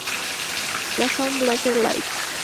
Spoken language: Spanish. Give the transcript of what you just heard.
La "Sound Blaster Live!